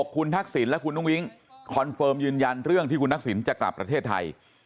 คุณทักษิณและคุณอุ้งอิ๊งคอนเฟิร์มยืนยันเรื่องที่คุณทักษิณจะกลับประเทศไทย